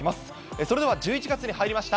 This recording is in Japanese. それでは１１がつにはりました